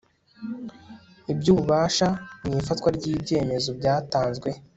by ububasha mu ifatwa ry ibyemezo byatanzwe